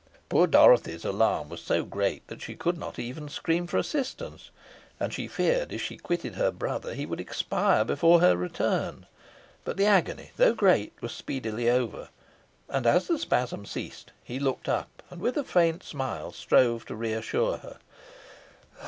Poor Dorothy's alarm was so great that she could not even scream for assistance, and she feared, if she quitted her brother, he would expire before her return; but the agony, though great, was speedily over, and as the spasm ceased, he looked up, and, with a faint smile, strove to re assure her.